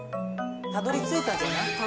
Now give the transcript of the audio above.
たどり着いたんじゃない？